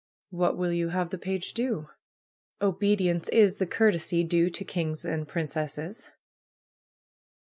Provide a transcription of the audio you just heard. '^What will you have the page do? ^Obedience is the courtesy due to kings' and princesses